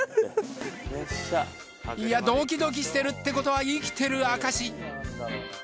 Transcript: いやドキドキしてるってことは生きてる証し。